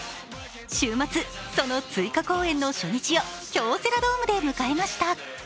週末、その追加公演の初日を京セラドームで迎えました。